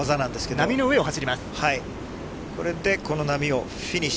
波の上を走ります。